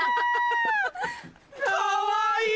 かわいい！